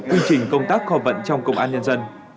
quy trình công tác kho vận trong công an nhân dân